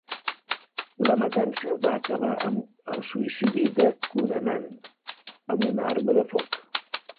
La matança va acabar amb el suïcidi de Cunanan amb un arma de foc.